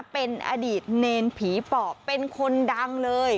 เป็นอดีตเนรผีปอบเป็นคนดังเลย